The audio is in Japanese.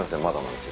まだ」